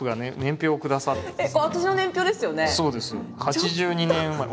８２年生まれ。